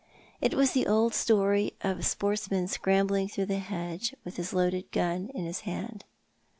It was the old story of a si;)ortsmau scrambling through a hedge with his loaded gun in his hand.